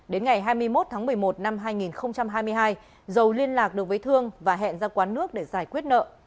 đến ngày hai mươi một tháng một mươi một năm hai nghìn hai mươi hai dầu liên lạc được với thương và hẹn ra quán nước để giải quyết nợ